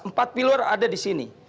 empat pilar ada di sini